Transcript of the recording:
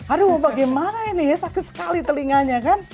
aduh bagaimana ini ya sakit sekali telinganya kan